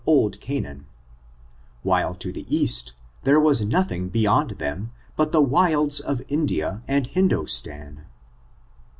221 oid Canaan, while to the east there was nothing be yond them but the wilds of India and Hindostan.